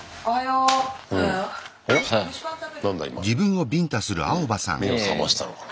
うん目を覚ましたのかな。